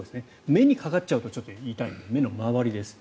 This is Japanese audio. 目にかかっちゃうとちょっと痛いので目の周りです。